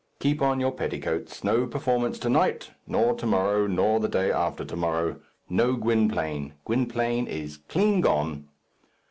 Keep on your petticoats. No performance to night, nor to morrow, nor the day after to morrow. No Gwynplaine. Gwynplaine is clean gone."